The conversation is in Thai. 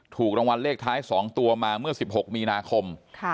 ถูกรางวัลเลขท้าย๒ตัวมาเมื่อ๑๖มีนาคม